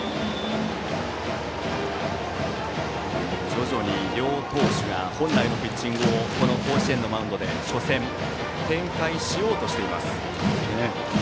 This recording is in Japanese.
徐々に両投手が本来のピッチングをこの甲子園のマウンドで初戦、展開しようとしています。